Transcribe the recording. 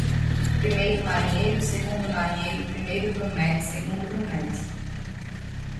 Primeiro-Marinheiro, Segundo-Marinheiro, Primeiro-Grumete, Segundo-Grumete